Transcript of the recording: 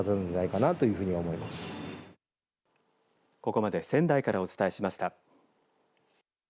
ここまで仙台からお伝えしました。